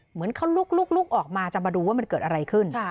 เหมือนเขาลุกออกมาจะมาดูว่ามันเกิดอะไรขึ้น